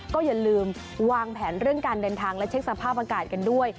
ก็อย่าลืมวางแผนเรื่องการเดินทางและเช็คสภาพอากาศกันด้วย